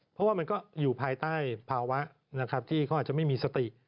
เพราะว่ามันก็อยู่ภายใต้ภาวะนะครับที่เขาอาจจะไม่มีสติ